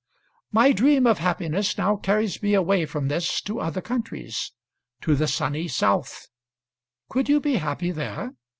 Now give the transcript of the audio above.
My dream of happiness now carries me away from this to other countries, to the sunny south. Could you be happy there?